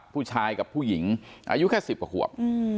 ผู้ชายกับผู้หญิงอายุแค่๑๐กว่าขวบ